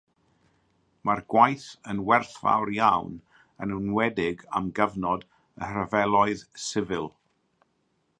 Mae'r gwaith yn werthfawr iawn, yn enwedig am gyfnod y rhyfeloedd sifil.